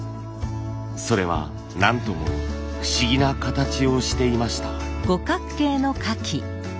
それはなんとも不思議な形をしていました。